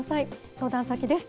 相談先です。